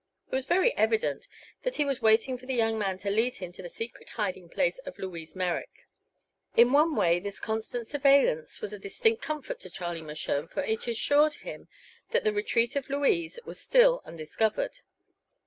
It was very evident that he was waiting for the young man to lead him to the secret hiding place of Louise Merrick. In one way this constant surveillance was a distinct comfort to Charlie Mershone, for it assured him that the retreat of Louise was still undiscovered.